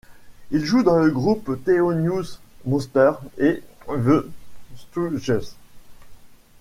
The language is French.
Il joue dans le groupe Thelonious Monster et The Stooges.